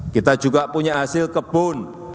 kita juga punya hasil kebun